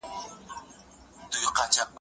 هو زه باور لرم، چې: